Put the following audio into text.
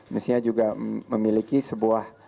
mesti juga memiliki sebuah